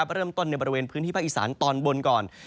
เริ่มต้นในบริเวณพื้นที่ภาคอีสานตอนบนก่อน